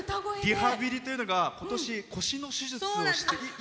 リハビリというのが今年、腰の手術をして。